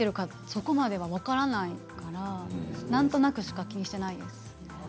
そこまで分からないからなんとなくしか気にしていないです。